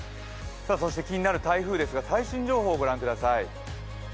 そして気になる台風ですが最新情報をご覧ください。